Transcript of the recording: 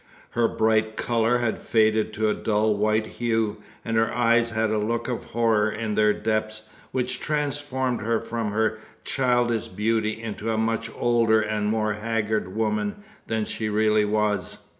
Her bright colour had faded to a dull white hue, and her eyes had a look of horror in their depths which transformed her from her childish beauty into a much older and more haggard woman than she really was.